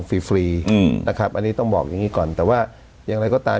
ฟรีฟรีอืมนะครับอันนี้ต้องบอกอย่างนี้ก่อนแต่ว่าอย่างไรก็ตาม